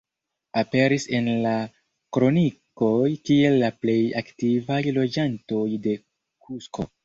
Aperis en la kronikoj kiel la plej antikvaj loĝantoj de Kusko.